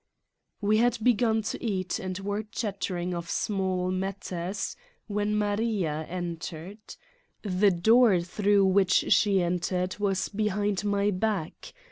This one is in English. We had begun to eat, and were chattering of small matters, when Maria entered. The door through which she entered was behind my back.